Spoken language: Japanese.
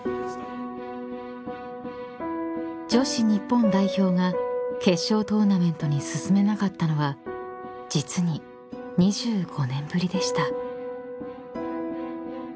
［女子日本代表が決勝トーナメントに進めなかったのは実に２５年ぶりでした］